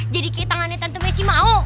jadi kayak tangannya tante messi mau